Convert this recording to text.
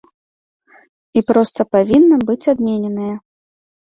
І проста павінна быць адмененае.